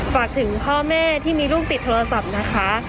ฝากถึงพ่อแม่ที่มีลูกติดโทรศัพท์นะคะ